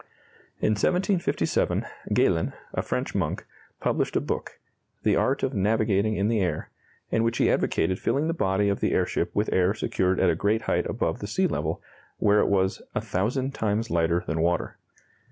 In 1757, Galen, a French monk, published a book, "The Art of Navigating in the Air," in which he advocated filling the body of the airship with air secured at a great height above the sea level, where it was "a thousand times lighter than water."